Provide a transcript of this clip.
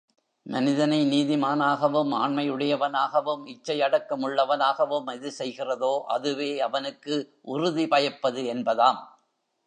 மனிதனை நீதிமானாகவும் ஆண்மையுடையவனாகவும் இச்சையடக்க முள்ளுவனாகவும் எது செய்கிறதோ அதுவே அவனுக்கு உறுதி பயப்பது என்பதாம்.